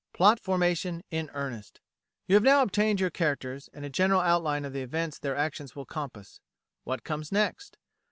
Plot Formation in Earnest You have now obtained your characters, and a general outline of the events their actions will compass. What comes next?